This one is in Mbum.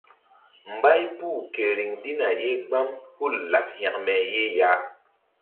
Mbay puh ke riŋ ɗina ye gbam hul laɓ hekme ye ya.